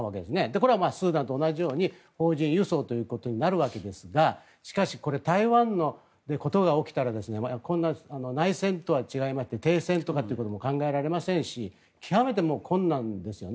これはスーダンと同じように邦人輸送ということになるわけですがしかし、台湾で事が起きたらこんな内戦とは違いまして停戦とかも考えられませんし極めて困難ですよね。